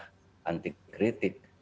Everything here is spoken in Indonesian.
tidak anti kritik